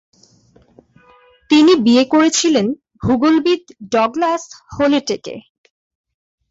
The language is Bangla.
তিনি বিয়ে করেছিলেন ভূগোলবিদ ডগলাস হোলেটেকে।